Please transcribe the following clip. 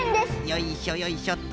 よいしょよいしょっと。